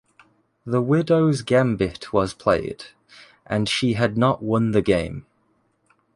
The widow's gambit was played, and she had not won the game.